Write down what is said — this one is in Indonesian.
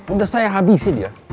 udah saya habisi dia